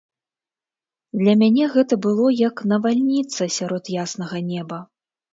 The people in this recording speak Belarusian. Для мяне гэта было як навальніца сярод яснага неба.